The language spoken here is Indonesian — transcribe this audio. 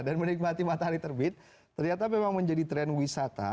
dan menikmati matahari terbit ternyata memang menjadi tren wisata